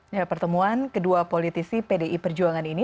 ya pertemuan kedua politisi pdi perjuangan ini